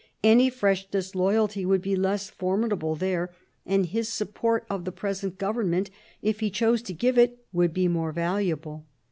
Any fresh disloyalty would be less formidable there, and his support of the present government, if he chose to give it, would be more valuable.